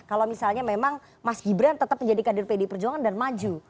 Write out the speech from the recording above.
kalau misalnya memang mas gibran tetap menjadi kader pdi perjuangan dan maju